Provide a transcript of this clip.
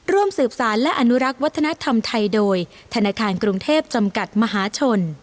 ร่วมสืบสารและอนุรักษ์วัฒนธรรมไทยโดยธนาคารกรุงเทพจำกัดมหาชน